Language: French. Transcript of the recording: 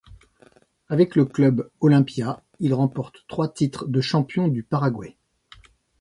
Avec le Club Olimpia, il remporte trois titres de champion du Paraguay.